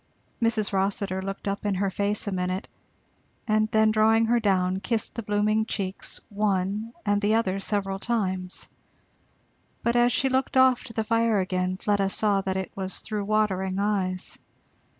Mrs. Rossitur looked up in her face a minute, and then drawing her down kissed the blooming cheeks one and the other several times. But as she looked off to the fire again Fleda saw that it was through watering eyes.